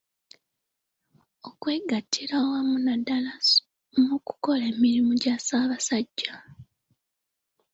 Okwegattira awamu naddala mu kukola emirimu gya Ssabasajja.